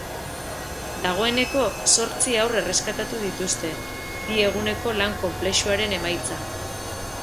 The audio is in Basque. Dagoeneko zortzi haur erreskatatu dituzte, bi eguneko lan konplexuaren emaitza.